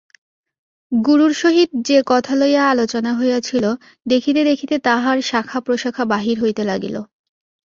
গুরুর সহিত যে কথা লইয়া আলোচনা হইয়াছিল দেখিতে দেখিতে তাহার শাখাপ্রশাখা বাহির হইতে লাগিল।